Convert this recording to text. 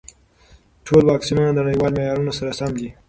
ټول واکسینونه د نړیوالو معیارونو سره سم دي.